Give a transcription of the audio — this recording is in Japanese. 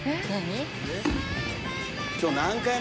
何？